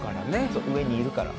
そう上にいるから。